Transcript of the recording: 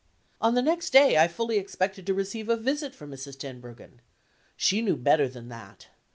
On the next day, I fully expected to receive a visit from Mrs. Tenbruggen. She knew better than that.